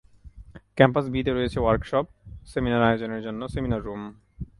Campus বি তে রয়েছে ওয়ার্কশপ, সেমিনার আয়োজনের জন্য সেমিনার রুম।